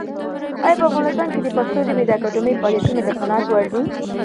ایا په افغانستان کې د پښتو ژبې د اکاډمۍ فعالیتونه د قناعت وړ دي؟